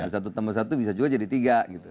satu tambah satu bisa juga jadi tiga gitu